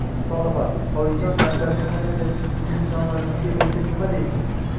Solixa: oyijon navbatni yana jajji singiljonlarimizga bersak nima deysiz?